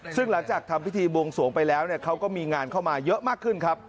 ซึ่งหลังจากทำพิธีบวงสวงไปแล้วเขาก็มีงานเข้ามาเยอะมากขึ้นครับ